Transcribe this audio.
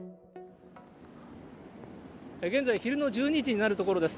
現在、昼の１２時になるところです。